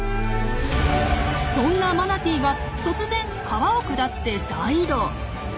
そんなマナティーが突然川を下って大移動。